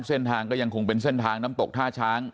เส้นทางก็ยังคงเป็นเส้นทางน้ำตกท่าช้าง